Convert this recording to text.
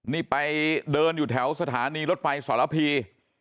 นี่ไปเดินอยู่แถวสถานีรถไฟสรพี